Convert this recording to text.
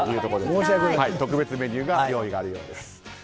特別メニューの用意があるようです。